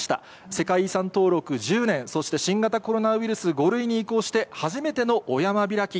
世界遺産登録１０年、そして新型コロナウイルス５類に移行して初めてのお山開き。